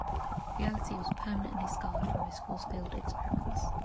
Reality was permanently scarred from those force field experiments.